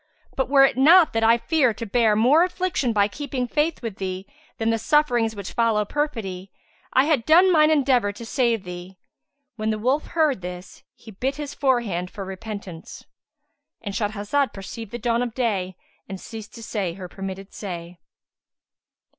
But, were it not that I fear to bear more affliction by keeping faith with thee than the sufferings which follow perfidy, I had done mine endeavour to save thee." When the wolf heard this, he bit his forehand for repentance. —And Shahrazad perceived the dawn of day and ceased to say her permitted say.